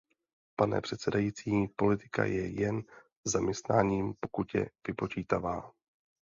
Pane předsedající, politika je jen zaměstnáním, pokud je vypočítavá.